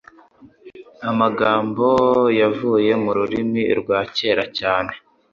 Amagambo yavuye mururimi rwa kera cyane.